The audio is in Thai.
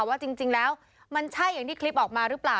ว่าจริงแล้วมันใช่อย่างที่คลิปออกมาหรือเปล่า